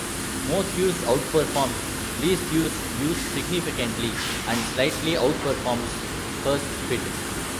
Most Used outperforms Least Used use significantly, and slightly outperforms First Fit.